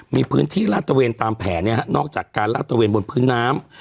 มีพื้นที่ลาดตระเวนตามแผนนอกจากการลาดตระเวนบนพื้นน้ำ